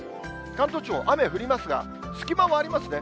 関東地方、雨降りますが、隙間もありますね。